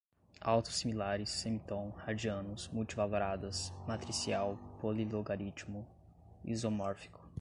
autossimilares, semitom, radianos, multivaloradas, matricial, polilogaritmo, isomórfico